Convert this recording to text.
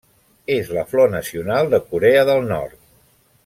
És la flor nacional de Corea del Nord.